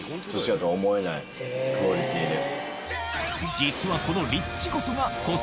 クオリティーです。